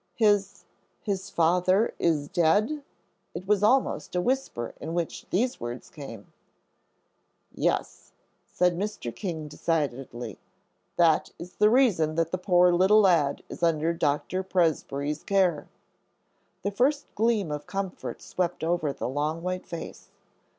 "His his father is dead?" It was almost a whisper in which these words came. "Yes," said Mr. King, decidedly, "that is the reason that the poor little lad is under Dr. Presbrey's care." The first gleam of comfort swept over the long, white face.